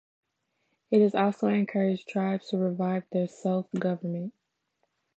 It also encouraged tribes to revive their self-government.